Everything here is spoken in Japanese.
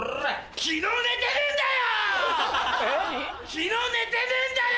昨日寝てねえんだよ！